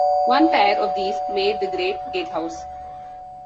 One pair of these made the great gatehouse.